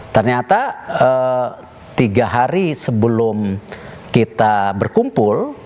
ternyata tiga hari sebelum kita berkumpul